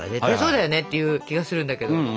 絶対そうだよねっていう気がするんだけど。